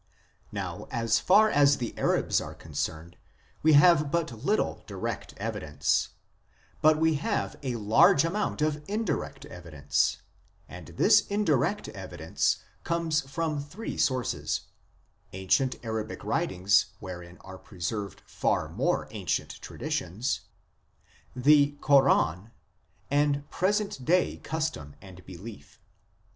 Now, as far as the Arabs are concerned we have but little direct evidence ; but we have a large amount of indirect evidence ; and this indirect evidence comes from three sources : ancient Arabic writings wherein are preserved far more ancient traditions ; the Koran ; present day custom and belief.